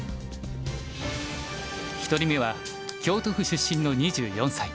１人目は京都府出身の２４歳。